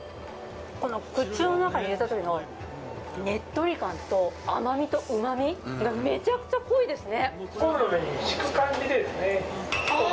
口の中に入れたときのねっとり感と甘みとうまみ、めちゃくちゃ濃いですね。